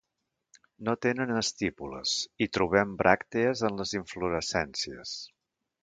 No tenen estípules i trobem bràctees en les inflorescències.